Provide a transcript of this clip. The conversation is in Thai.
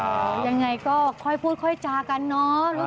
ยังไงก็ค่อยพูดค่อยจากันเนาะ